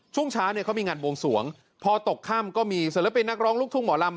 ช่วงช้าเนี่ยเขามีงานวงสวงพอตกข้ามก็มีเสร็จแล้วเป็นนักร้องลูกทุ่งหมอลำ